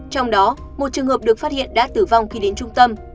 trong đó một trường hợp được phát hiện đã tử vong khi đến trung tâm